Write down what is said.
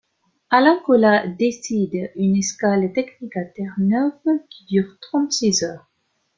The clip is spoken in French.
Alain Colas décide une escale technique à Terre-Neuve, qui dure trente-six heures.